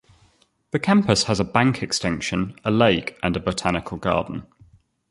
The campus has a bank extension, a lake and a botanical garden.